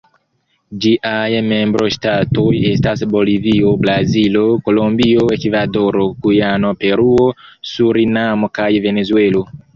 Ĝiaj membroŝtatoj estas Bolivio, Brazilo, Kolombio, Ekvadoro, Gujano, Peruo, Surinamo kaj Venezuelo.